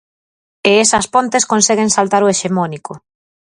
E esas pontes conseguen saltar o hexemónico.